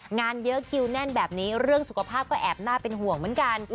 งานเยอะคิวแน่นแบบนี้เรื่องสุขภาพก็แอบน่าเป็นห่วงเหมือนกัน